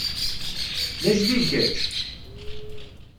D ajdid kečč?